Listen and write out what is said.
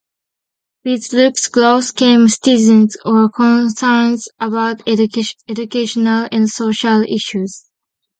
With Luke's growth came citizens' concerns about educational and social issues.